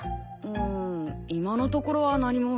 ん今のところは何も。